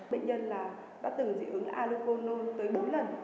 bệnh nhân là đã từng dị ứng alokonol tới bốn lần